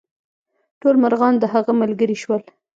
ټول مرغان د هغه ملګري شول.